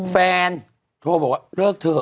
แฟนโทรบอกว่าเลิกเถอะ